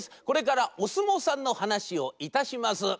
これからおすもうさんのはなしをいたします。